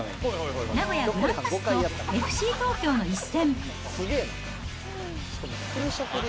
名古屋グランパスとＦＣ東京の一戦。